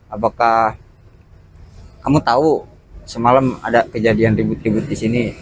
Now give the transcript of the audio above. apakah kamu tahu semalam ada kejadian ribut ribut di sini